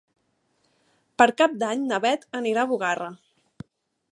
Per Cap d'Any na Beth anirà a Bugarra.